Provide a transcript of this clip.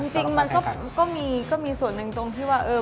จริงมันก็มีส่วนหนึ่งตรงที่ว่า